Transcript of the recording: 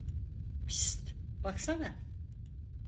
Pist, baksana!